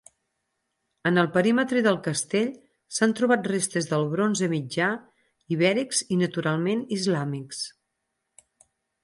En el perímetre del castell s'han trobat restes del Bronze Mitjà, ibèrics i naturalment islàmics.